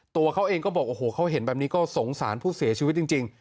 ตัวเขาเองก็บอกโอ้โหเขาเห็นแบบนี้ก็สงสารผู้เสียชีวิตจริง